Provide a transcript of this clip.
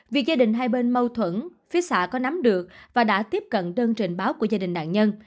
việc gia đình hai bên mâu thuẫn phía xạ có nắm được và đã tiếp cận đơn trình báo của gia đình nạn nhân